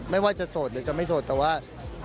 ไม่ว่าจะโสดหรือจะไม่โสดแต่ว่า